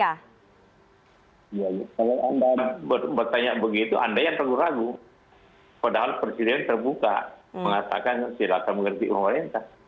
ya yang terlalu beragne begitu anda yang perlu ragu padahal presiden terbuka mengatakan silahkan mengerti pemerintah